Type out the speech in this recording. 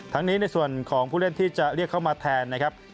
นี้ในส่วนของผู้เล่นที่จะเรียกเข้ามาแทนนะครับ